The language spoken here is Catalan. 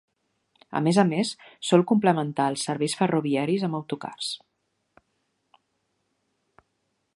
A més a més, sol complementar els serveis ferroviaris amb autocars.